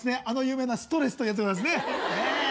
あの有名なストレスというやつです。